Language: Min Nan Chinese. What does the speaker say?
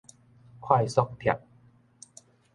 快速帖